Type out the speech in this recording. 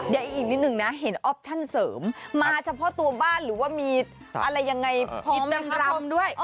เดี๋ยวอีกนิดนึงนะเห็นออปชั่นเสริมมาเฉพาะตัวบ้านหรือว่ามีอะไรยังไงกิจกรรมรำด้วย